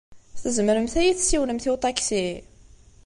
Tzemremt ad yi-tessiwlemt i uṭaksi?